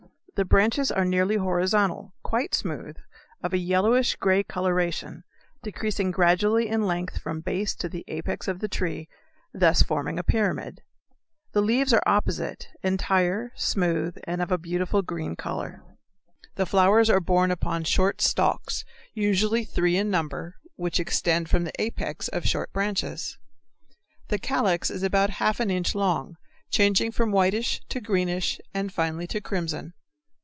The branches are nearly horizontal, quite smooth, of a yellowish grey coloration, decreasing gradually in length from base to the apex of the tree, thus forming a pyramid. The leaves are opposite, entire, smooth, and of a beautiful green color. The flowers are borne upon short stalks, usually three in number, which extend from the apex of short branches. The calyx is about half an inch long, changing from whitish to greenish, and finally to crimson.